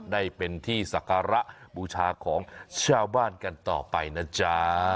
ได้เป็นที่ศักระบูชาของชาวบ้านกันต่อไปนะจ๊ะ